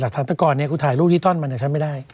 หลักฐานตั้งก่อนเนี่ยคุณถ่ายรูปดีต้นมาเนี่ยฉันไม่ได้